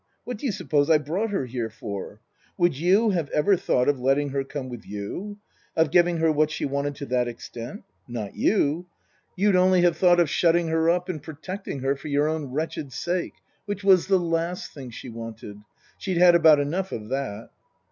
What do you suppose I brought her here for ? Would you have ever thought of letting her come with you ? Of giving her what she wanted to that extent ? Not you ! You'd only have 112 Tasker Jevons thought of shutting her up and protecting her for your own wretched sake which was the last thing she wanted. She'd had about enough of that."